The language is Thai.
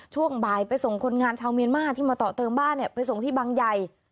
ช่วงบ่ายไปส่งคนงานชาวเมียนมาที่มาต่อเติมบ้านเนี่ยไปส่งที่บางใหญ่